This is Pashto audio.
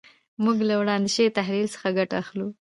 موږ له وړاندې شوي تحلیل څخه ګټه اخلو.